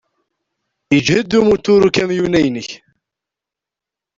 Yeǧhed umutur ukamyun-a-inek.